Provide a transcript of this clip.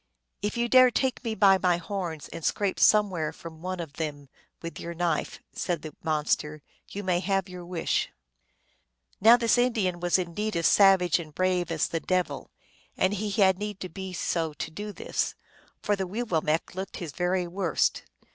" If you dare take me by my horns and scrape somewhat from one of them with your knife," said the monster, " you may have your wish." Now this Indian was indeed as savage and brave as the devil ; and he had need to be so to do this, for THE WEEWILLMEKQ;. 329 the Weewillmekq looked his very worst.